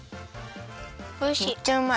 おいしい。